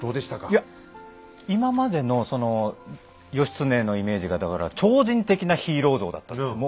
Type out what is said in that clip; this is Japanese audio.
いや今までのその義経のイメージがだから超人的なヒーロー像だったんですよ。